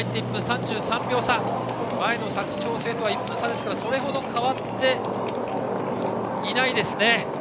前の佐久長聖とは１分差ですがそれほど変わっていない。